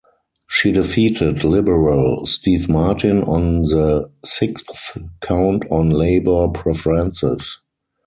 She defeated Liberal Steve Martin on the sixth count on Labor preferences.